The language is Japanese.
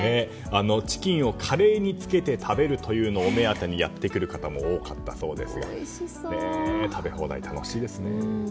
チキンをカレーにつけて食べるというのをお目当てにやってくる方も多かったそうです。